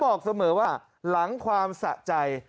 บอกเสมอว่าหลังความสะใจ